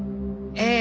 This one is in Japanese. ええ。